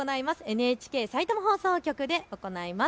ＮＨＫさいたま放送局で行います。